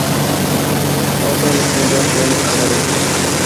Otra elección real fue necesaria.